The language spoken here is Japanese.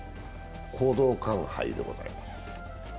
講道館杯でございます。